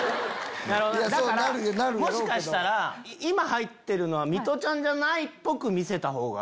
だからもしかしたら今入ってるのはミトちゃんじゃないっぽく見せたほうが。